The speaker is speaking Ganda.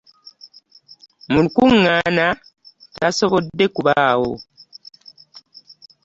Mu lukuŋŋaana tasobodde kubaawo.